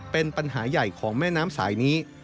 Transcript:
เป็นปัญหาใหญ่ของแม่น้ำสายนี้